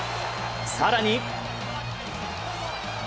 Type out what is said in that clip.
更に。